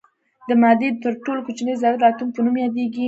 د مادې تر ټولو کوچنۍ ذره د اتوم په نوم یادیږي.